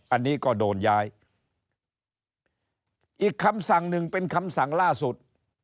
อันนี้ก็โดนย้ายอีกคำสั่งหนึ่งเป็นคำสั่งล่าสุด